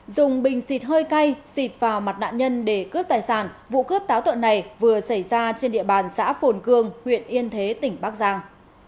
dùng bình xịt hơi cay xịt vào mặt nạn nhân để cướp tài sản vụ cướp táo tợn này vừa xảy ra trên địa bàn xã phồn cương huyện yên thế tỉnh bắc giang